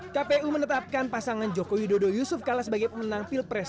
kpu menetapkan pasangan joko widodo yusuf kala sebagai pemenang pilpres dua ribu sembilan belas